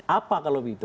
apa kalau begitu